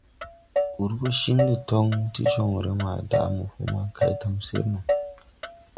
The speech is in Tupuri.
Ur gɔ ciŋ de ton ti joŋre ma daʼ mɔpɔ ma kay tamsir no.